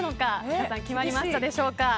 皆さん、決まりましたでしょうか。